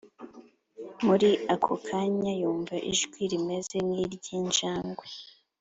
Muli ako kanya yumvaijwi rimeze nkiryinjangwe